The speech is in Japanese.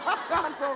そう